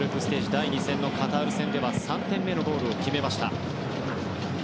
第２戦のカタール戦では３点目のゴールを決めました。